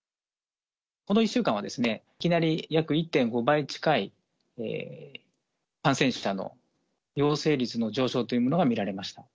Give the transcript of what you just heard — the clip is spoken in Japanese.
この１週間は、いきなり約１．５倍近い、感染者の陽性率の上昇というものが見られました。